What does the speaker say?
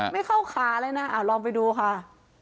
ไม่เข้าขาเลยนะลองไปดูค่ะ